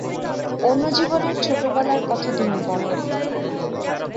অন্য জীবনের ছোটবেলার কথা তুমি বল।